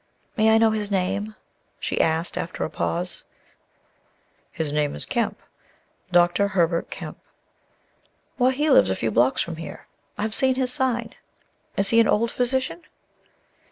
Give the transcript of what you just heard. "May I know his name?" she asked after a pause. "His name is Kemp, Dr. Herbert Kemp." "Why, he lives a few blocks from here; I have seen his sign. Is he an old physician?"